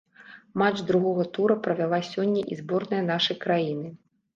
Матч другога тура правяла сёння і зборная нашай краіны.